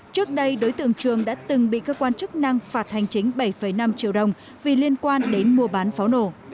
trước đây đối tượng trường đã từng bị cơ quan chức năng phạt hành chính bảy năm triệu đồng vì liên quan đến mua bán pháo nổ